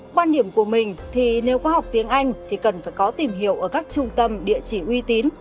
quan điểm của mình thì nếu có học tiếng anh thì cần phải có tìm hiểu ở các trung tâm địa chỉ uy tín